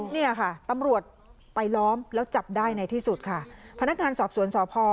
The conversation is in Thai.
เนี่ยค่ะตำรวจไปล้อมแล้วจับได้ในที่สุดค่ะพนักงานสอบสวนสพ